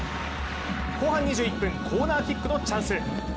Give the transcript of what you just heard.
後半２１分コーナーキックのチャンス。